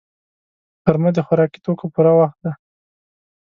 غرمه د خوراکي توکو پوره وخت دی